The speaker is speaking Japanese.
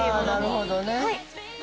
◆なるほどね。